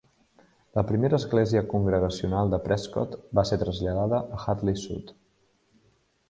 La primera església congregacional de Prescott va ser traslladada a Hadley Sud.